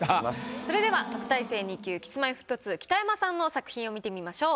それでは特待生２級Ｋｉｓ−Ｍｙ−Ｆｔ２北山さんの作品を見てみましょう。